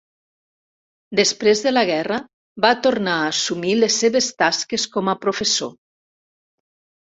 Després de la guerra va tornar a assumir les seves tasques com a professor.